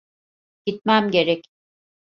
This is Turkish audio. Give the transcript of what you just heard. Gitmem gerek.